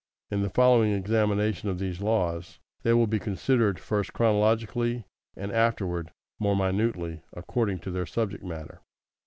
In the following examination of these laws, they will be considered first chronologically, and afterward more minutely according to their subject matter.